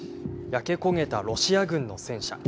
焼け焦げたロシア軍の戦車。